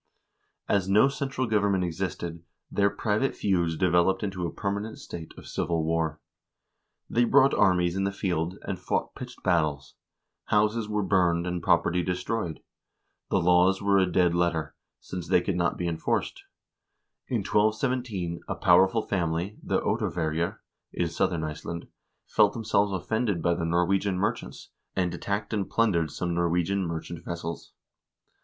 1 As no central gov ernment existed, their private feuds developed into a permanent state of civil war. They brought armies in the field, and fought pitched battles ; houses were burned and property destroyed ; the laws were a dead letter, since they could not be enforced. In 1217 a powerful family, the Oddaverjer, in southern Iceland, felt them selves offended by the Norwegian merchants, and attacked and plundered some Norwegian merchant vessels.